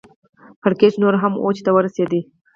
کړکېچ نور هم اوج ته ورسېد.